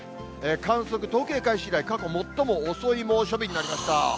観測、統計開始以来、過去最も遅い猛暑日になりました。